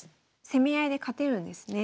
攻め合いで勝てるんですね。